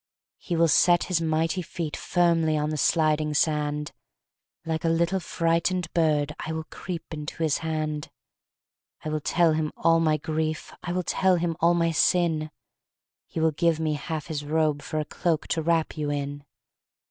He will set His mighty feet Firmly on the sliding sand; Like a little frightened bird I will creep into His hand; I will tell Him all my grief, I will tell Him all my sin; He will give me half His robe For a cloak to wrap you in.